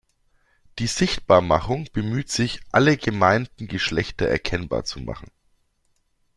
Die „Sichtbarmachung“ bemüht sich, alle gemeinten Geschlechter erkennbar zu machen.